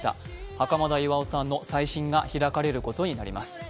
袴田巌さんの再審が開かれることになります。